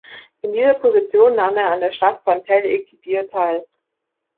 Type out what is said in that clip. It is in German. In dieser Position nahm er an der Schlacht von Tel-el-Kebir teil.